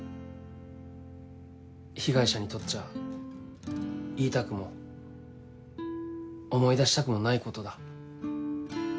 被害者にとっちゃ言いたくも思い出したくもないことだ。